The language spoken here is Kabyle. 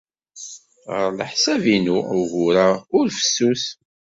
Ɣef leḥsab-inu, ugur-a ur fessus.